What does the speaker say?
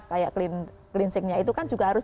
kayak cleansingnya itu kan juga harus